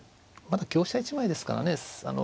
まだ香車１枚ですからね。